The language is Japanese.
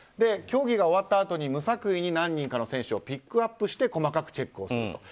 競技が終わったあとに無作為に何人かの選手をピックアップして細かくチェックをする。